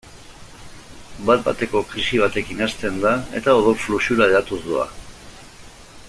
Bat-bateko krisi batekin hasten da eta odol-fluxura hedatuz doa.